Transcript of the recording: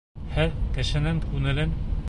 Һеҙ кешенең күңелен...